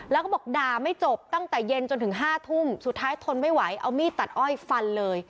แล้วก็บอกด่าไม่จบตั้งแต่เย็นจนถึง๕ทุ่มสุดท้ายทนไม่ไหวเอามีดตัดอ้อยฟันเลย